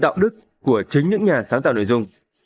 đạo đức của chính những nhà sáng tạo nội dung